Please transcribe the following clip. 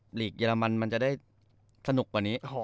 หลีกเรมันมันจะได้สนุกกว่านี้